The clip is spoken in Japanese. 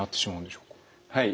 はい。